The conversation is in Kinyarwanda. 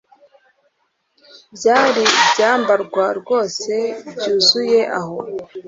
byari byambarwa rwose byuzuye aho